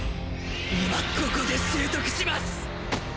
今ここで習得します。